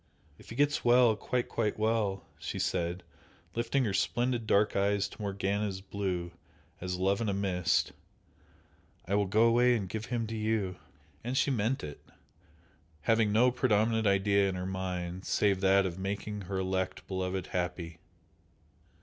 "If he gets well quite, quite well" she said, lifting her splendid dark eyes to Morgana's blue as "love in a mist" "I will go away and give him to you!" And she meant it, having no predominant idea in her mind save that of making her elect beloved happy.